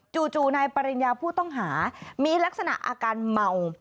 จู่นายปริญญาผู้ต้องหามีลักษณะอาการเมา